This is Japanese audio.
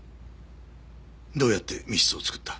どうやって密室を作った？